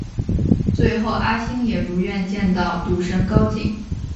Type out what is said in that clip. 最后阿星也如愿见到赌神高进。